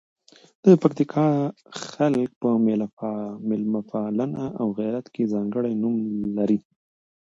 د پکتیکا خلګ په میلمه پالنه او غیرت کې ځانکړي نوم لزي.